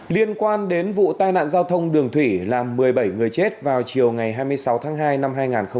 liên quan đến vụ tai nạn giao thông đường thủy làm một mươi bảy người chết vào chiều ngày hai mươi sáu tháng hai năm hai nghìn hai mươi